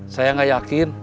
saya gak yakin